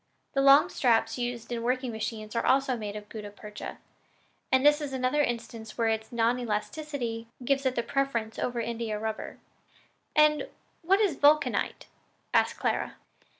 The long straps used in working machines are also made of gutta percha, and this is another instance where its non elasticity gives it the preference over India rubber." "And what is vulcanite?" asked Clara.